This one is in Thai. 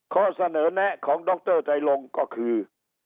ข้อเสนอแนะของดรไทยลงก็คือ